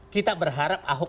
kita berharap ahok